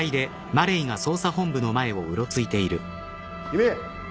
君！